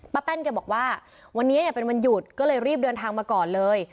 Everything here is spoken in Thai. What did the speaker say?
แป้นแกบอกว่าวันนี้เนี่ยเป็นวันหยุดก็เลยรีบเดินทางมาก่อนเลย